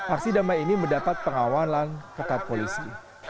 aksi damai ini mendapat pengawalan ketat polisi